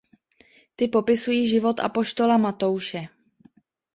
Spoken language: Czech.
Ty popisují život apoštola Matouše.